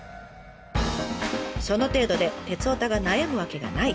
その程度で鉄オタが悩むわけがない！